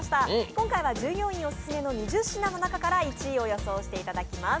今回は従業員オススメの２０品の中から１位を予想していただきます。